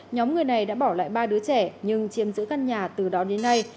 nhóm người này đã bỏ lại ba đứa trẻ nhưng chiếm giữ căn nhà từ đó đến nay